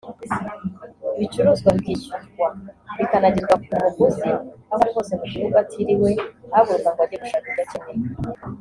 ibicuruzwa bikishyurwa bikanagezwa ku muguzi aho ari hose mu gihugu atiriwe ahaguruka ngo ajye gushaka ibyo akeneye